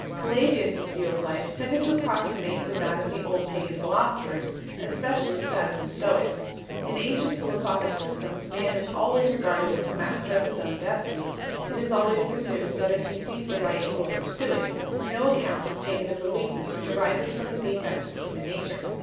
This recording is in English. Pelagius s view of life tended to approximate to that of the old pagan philosophers, especially to that of the Stoics. In ancient philosophic systems man is always regarded as the master of his own destiny; it is always presumed that if he sees the right he will pursue it ; no account is taken of the weakness which arises from the defects of human nature.